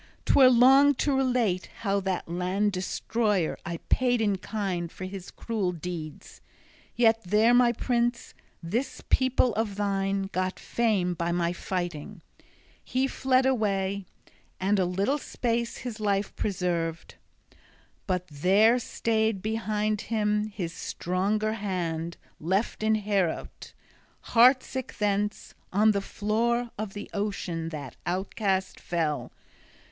'Twere long to relate how that land destroyer I paid in kind for his cruel deeds; yet there, my prince, this people of thine got fame by my fighting. He fled away, and a little space his life preserved; but there staid behind him his stronger hand left in Heorot; heartsick thence on the floor of the ocean that outcast fell.